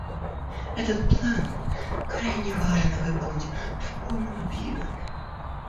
Этот план крайне важно выполнить в полном объеме.